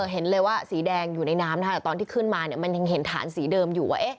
เห็นเลยว่าสีแดงอยู่ในน้ำแต่ตอนที่ขึ้นมามันยังเห็นฐานสีเดิมอยู่ว่า